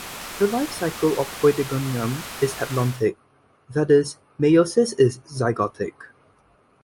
The life cycle of "Oedogonium" is haplontic, that is, meiosis is zygotic.